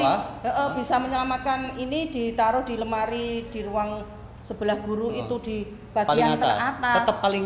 bisa menyelamatkan ini ditaruh di lemari di ruang sebelah guru itu di bagian